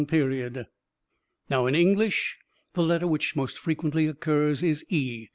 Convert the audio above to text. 1 "Now, in English, the letter which most frequently occurs is e.